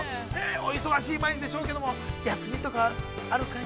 お忙しい毎日でしょうけども休みとかあるかい？